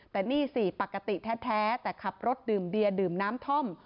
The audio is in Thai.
แต่นี่สิปกติแท้แต่ขับรถดื่มเบียร์ดื่มน้ำท่อม